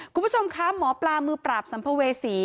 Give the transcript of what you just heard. คุณผู้ชมคะหมอปลามือปราบสัมภเวษี